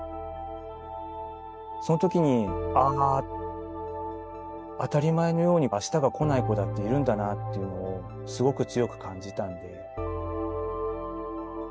その時に「ああ当たり前のように明日が来ない子だっているんだな」っていうのをすごく強く感じたんで。